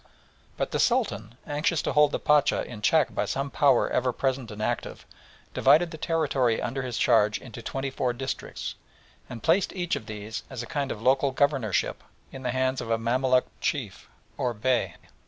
But the Sultan, anxious to hold the Pacha in check by some power ever present and active, divided the territory under his charge into twenty four districts, and placed each of these, as a kind of local governorship, in the hands of a Mamaluk chief or Bey.